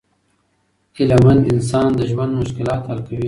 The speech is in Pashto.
هیله مند انسان د ژوند مشکلات حل کوي.